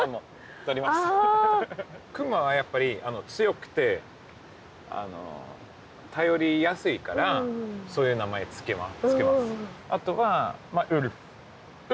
熊はやっぱり強くて頼りやすいからそういう名前付けます。